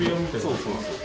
そうそうそう。